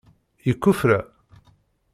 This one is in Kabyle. Yekuferra?